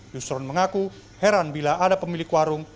yustron mengaku heran bila ada pemilik warung